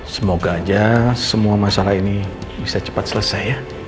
semoga aja semua masalah ini bisa cepat selesai ya